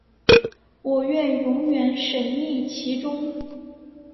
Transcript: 我愿永远沈溺其中